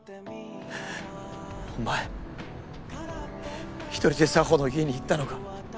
お前１人で沙帆の家に行ったのか？